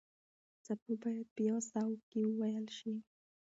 څپه باید په یوه ساه کې وېل شي.